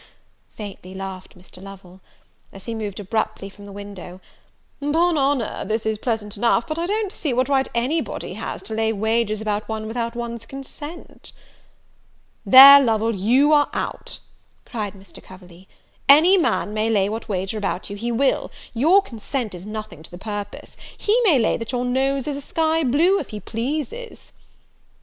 faintly laughed Mr. Lovel, as he moved abruptly from the window; "'pon honour, this is pleasant enough; but I don't see what right any body has to lay wagers about one without one's consent." "There, Lovel, you are out," cried Mr. Coverley, "any man may lay what wager about you he will; your consent is nothing to the purpose: he may lay that your nose is a sky blue, if he pleases."